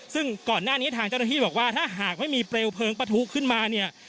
ซึ่งก่อนหน้านี้ทางเจ้าหน้าที่บอกว่าถ้าหากไม่มีเปลวเพลิงปะทุขึ้นมาเนี่ย